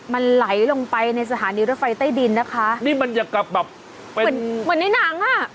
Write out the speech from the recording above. มันไหลลงไปในสถานีรถไฟใต้ดินนะคะนี่มันอยากกลับแบบเป็นเหมือนเหมือนในหนังอ่ะ